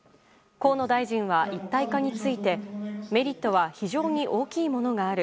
河野大臣は、一体化についてメリットは非常に大きいものがある。